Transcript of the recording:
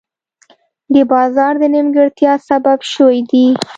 د بازار د نیمګړتیا سبب شوي دي.